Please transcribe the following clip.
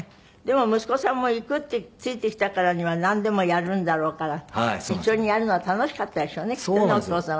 でも息子さんも行くってついてきたからにはなんでもやるんだろうから一緒にやるのは楽しかったでしょうねきっとね。